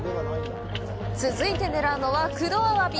続いて狙うのは黒アワビ。